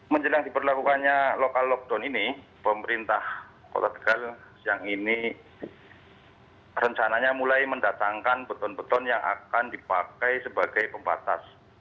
menjelang diperlakukannya lokal lockdown ini pemerintah kota tegal siang ini rencananya mulai mendatangkan beton beton yang akan dipakai sebagai pembatas